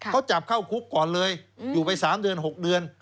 เขาจับเข้าคุกก่อนเลยอยู่ไป๓เดือน๖เดือน